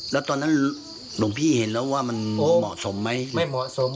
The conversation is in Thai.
แล้วตอนนั้นหลวงพี่เห็นแล้วว่ามันเหมาะสมไหมไม่เหมาะสม